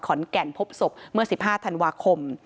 ขอนแก่นพบศพเมื่อ๑๕ธันวาคม